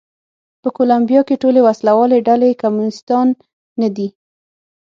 په کولمبیا کې ټولې وسله والې ډلې کمونېستان نه دي.